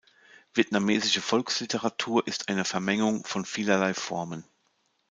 Vietnamesische Volksliteratur ist eine Vermengung von vielerlei Formen.